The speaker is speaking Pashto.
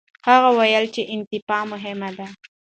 هغه وویل، انعطاف مهم دی.